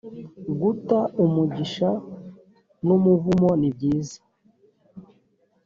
guta umugisha n’ umuvumo ni byiza.